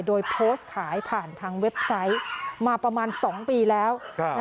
โดยโพสต์ขายผ่านทางเว็บไซต์มาประมาณ๒ปีแล้ว